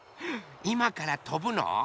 いまからとぶの？